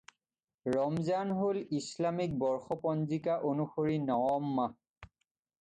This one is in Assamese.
ৰমজান হ'ল ইছলামিক বৰ্ষপঞ্জিকা অনুসৰি নৱম মাহ।